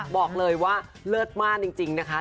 บอกเลยว่าเลิศมากจริงนะคะ